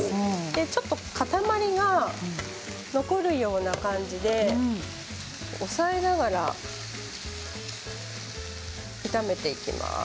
ちょっと塊が残るような感じで押さえながら炒めていきます。